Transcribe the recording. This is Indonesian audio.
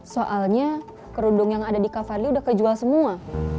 soalnya kerudung yang ada di kavali udah kejual semua